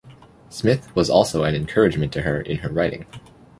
Smith was also an encouragement to her in her writing.